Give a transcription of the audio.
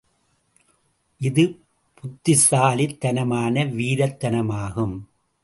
இது புத்திசாலித்தனமான வீரத் தனமாகும்.